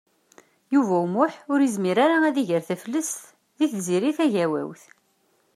Yuba U Muḥ ur yezmir ara ad iger taflest deg Tiziri Tagawawt.